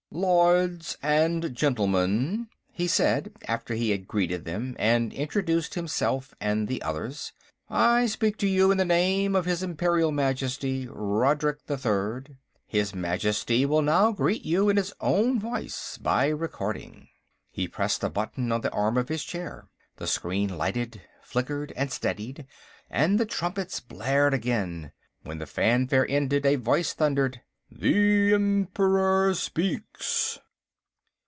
"Lords and Gentlemen," he said, after he had greeted them and introduced himself and the others, "I speak to you in the name of his Imperial Majesty, Rodrik III. His Majesty will now greet you in his own voice, by recording." He pressed a button on the arm of his chair. The screen lighted, flickered, and steadied, and the trumpets blared again. When the fanfare ended, a voice thundered: "_The Emperor speaks!